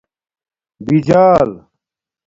بجال